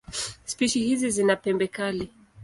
Spishi hizi zina pembe kali.